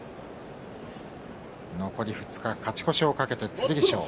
残り２日に勝ち越しを懸けて剣翔。